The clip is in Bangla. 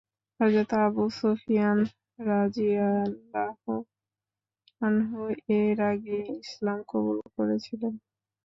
হযরত আবু সুফিয়ান রাযিয়াল্লাহু আনহু এর আগেই ইসলাম কবুল করেছিলেন।